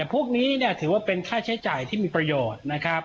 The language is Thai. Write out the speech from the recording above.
พวกนี้ถือว่าเป็นค่าใช้จ่ายที่มีประโยชน์นะครับ